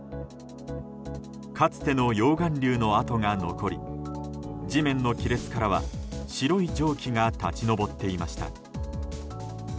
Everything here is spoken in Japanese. かつての溶岩流の跡が残り地面の亀裂からは白い蒸気が立ち上っていました。